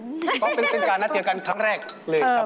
ก็เป็นเป็นการนัดเจอกันครั้งแรกเลยครับผม